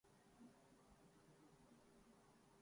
یہی معاملہ جمہوریت کا بھی ہے۔